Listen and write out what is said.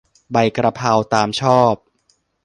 ใบกะเพรา ตามชอบ